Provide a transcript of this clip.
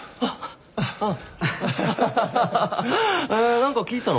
何か聞いてたの？